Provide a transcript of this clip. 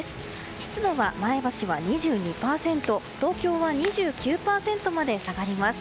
湿度は前橋は２２％東京は２９％まで下がります。